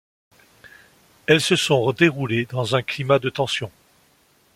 Elles se sont déroulées dans un climat de tension.